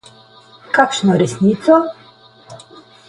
Kakšno resnico?